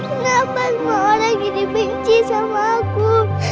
kenapa semua orang jadi benci sama aku